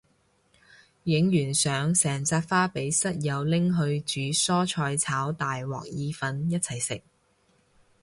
影完相成紮花俾室友拎去煮蔬菜炒大鑊意粉一齊食